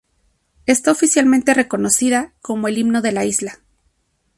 Está oficialmente reconocida como el himno de la isla.